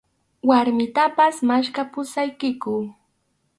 Warmitapas maskhapusaykiku.